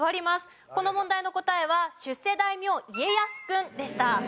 この問題の答えは出世大名家康くんでした。